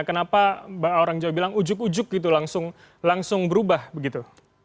kenapa orang jawa bilang ujuk ujuk gitu langsung berubah begitu